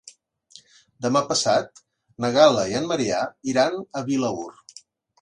Demà passat na Gal·la i en Maria iran a Vilaür.